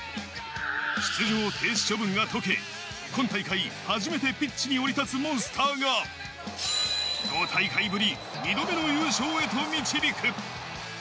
出場停止処分がとけ、今大会初めてピッチに降り立つモンスターが５大会ぶり２度目の優勝へと導く。